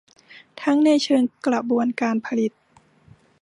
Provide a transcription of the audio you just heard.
ทั้งในเชิงกระบวนการผลิต